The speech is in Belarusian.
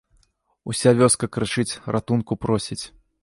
Уся вёска крычыць, ратунку просіць.